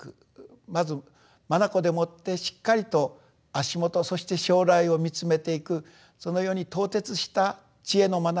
まず眼でもってしっかりと足元そして将来を見つめていくそのように透徹した知恵の眼